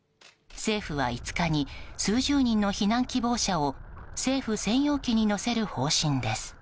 政府は５日に数十人の避難希望者を政府専用機に乗せる方針です。